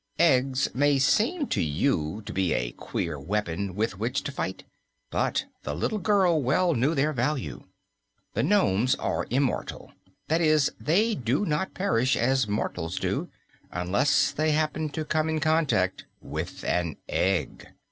Eggs may seem to you to be a queer weapon with which to fight, but the little girl well knew their value. The nomes are immortal; that is, they do not perish, as mortals do, unless they happen to come in contact with an egg.